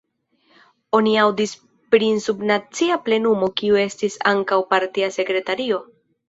Oni aŭdis pri sub-nacia plenumo kiu estu ankaŭ partia sekretario.